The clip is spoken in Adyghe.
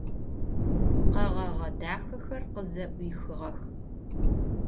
Kheğeğe daxexer khıze'uixığex.